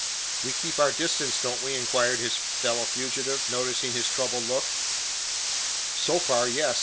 "We keep our distance, don't we?" inquired his fellow fugitive, noticing his troubled look. "So far, yes.